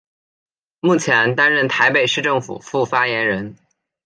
目前担任台北市政府副发言人。